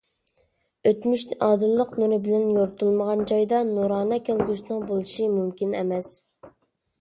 ئۆتمۈش ئادىللىق نۇرى بىلەن يورۇتۇلمىغان جايدا نۇرانە كەلگۈسىنىڭ بولۇشى مۇمكىن ئەمەس.